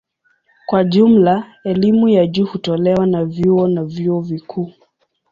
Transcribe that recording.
Kwa jumla elimu ya juu hutolewa na vyuo na vyuo vikuu.